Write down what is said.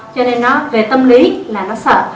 cho nên nó về tâm lý là nó sợ